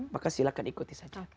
maka silahkan ikuti saja